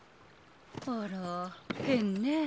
あら変ね。